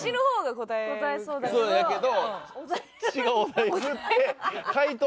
答えそうだけど。